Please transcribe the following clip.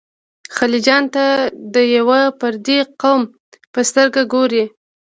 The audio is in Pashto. خلجیانو ته د یوه پردي قوم په سترګه ګوري.